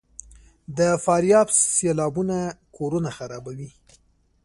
د فاریاب سیلابونه کورونه خرابوي؟